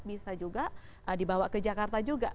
bisa juga dibawa ke jakarta juga